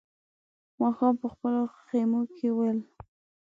ماښام په خپلو خيمو کې ول.